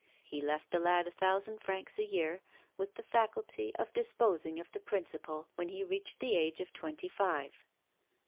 He left the lad a thousand francs a year, with the faculty of disposing of the principal when he reached the age of twenty five.